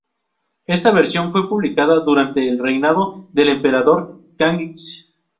Esta versión fue publicada durante el reinado del emperador Kangxi.